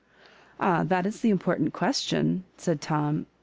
"Ah, that is the important question," said Tom.